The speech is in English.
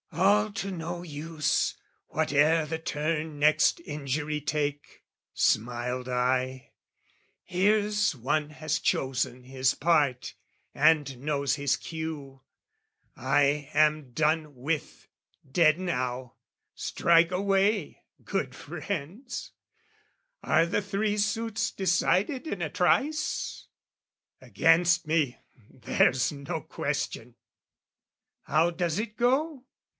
"All to no use! "Whate'er the turn next injury take," smiled I, "Here's one has chosen his part and knows his cue. "I am done with, dead now; strike away, good friends! "Are the three suits decided in a trice? "Against me, there's no question! How does it go?